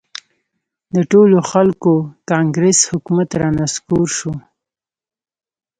د ټولو خلکو کانګرس حکومت را نسکور شو.